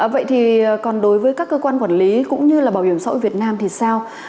vậy thì còn đối với các cơ quan quản lý cũng như là bảo hiểm xã hội việt nam thì sao